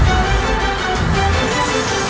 aku akan mencari dia